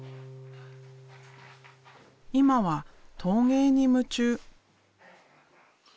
今は陶芸に夢中。